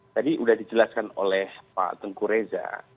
tadi sudah dijelaskan oleh pak tengku reza